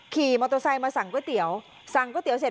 ขี่มอเตอร์ไซค์มาสั่งก๋วยเตี๋ยวสั่งก๋วยเตี๋ยเสร็จ